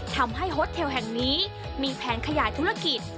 ทำให้โฮตเทลแห่งนี้มีแผนขยายธุรกิจ